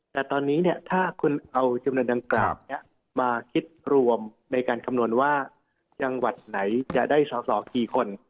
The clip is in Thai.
แต่ตอนนี้ถ้าคุณเอาจำนวนดังกล่าวนี้มาคิดรวมในการคำนวณว่าจังหวัดไหนจะได้สอสอกี่คน